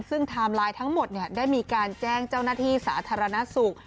ซึ่งไทม์ไลน์ทั้งหมดได้มีการแจ้งเจ้าหน้าที่สาธารณสุข